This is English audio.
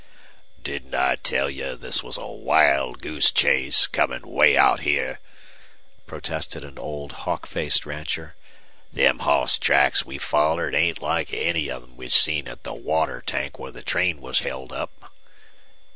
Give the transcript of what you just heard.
"Didn't I tell ye this was a wild goose chase, comin' way out here?" protested an old hawk faced rancher. "Them hoss tracks we follored ain't like any of them we seen at the water tank where the train was held up."